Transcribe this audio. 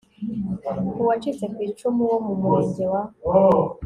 Uwacitse ku icumu wo mu murenge wa